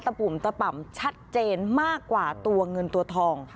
ปุ่มตะป่ำชัดเจนมากกว่าตัวเงินตัวทอง